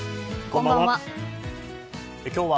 こんばんは。